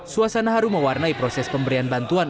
suasana harum mewarnai proses pemberian bantuan